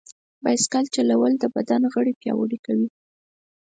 بایسکل چلول د بدن غړي پیاوړي کوي.